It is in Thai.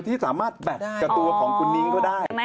ที่สามารถแบตกับตัวของคุณนิ้งเขาได้